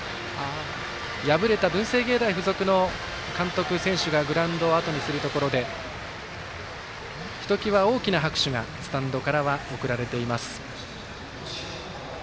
敗れた文星芸大付属の監督、選手がグラウンドをあとにするところでひときわ大きな拍手がスタンドからは送られています。